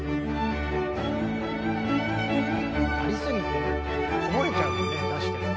ありすぎてこぼれちゃうもんね出しても。